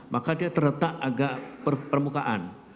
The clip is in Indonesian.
maka dia terletak agak permukaan